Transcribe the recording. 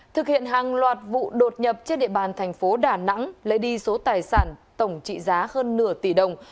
thực hiện hàng loạt vụ đột nhập trên địa bàn thành phố đà nẵng lấy đi số tài sản tổng trị giá hơn nửa tỷ đồng